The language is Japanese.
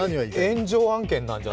炎上案件なんじゃ？